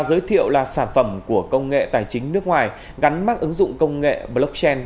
giới thiệu là sản phẩm của công nghệ tài chính nước ngoài gắn mắc ứng dụng công nghệ blockchain